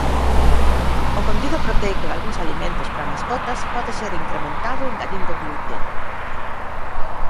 O contido proteico dalgúns alimentos para mascotas pode ser incrementado engadindo glute.